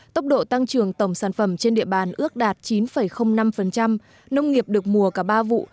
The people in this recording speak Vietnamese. tốc độ tăng trưởng tổng sản phẩm trên địa bàn ước đạt chín năm nông nghiệp được mùa cả ba vụ